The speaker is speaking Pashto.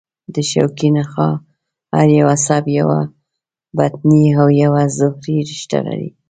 د شوکي نخاع هر یو عصب یوه بطني او یوه ظهري رشته لري.